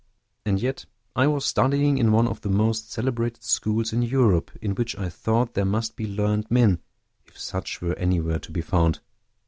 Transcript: And yet I was studying in one of the most celebrated schools in Europe, in which I thought there must be learned men, if such were anywhere to be found.